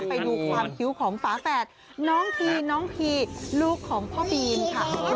ไปดูความคิ้วของฝาแฝดน้องทีน้องพีลูกของพ่อบีมค่ะ